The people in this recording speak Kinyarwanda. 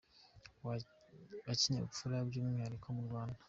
wa Kinyafurika by’umwihariko mu Rwanda.